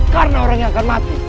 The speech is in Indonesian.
karena orang yang akan mati